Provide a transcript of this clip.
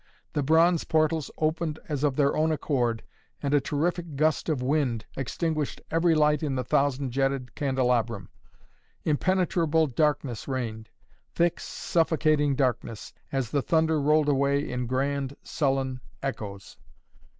The bronze portals opened as of their own accord and a terrific gust of wind extinguished every light in the thousand jetted candelabrum. Impenetrable darkness reigned thick, suffocating darkness, as the thunder rolled away in grand, sullen echoes.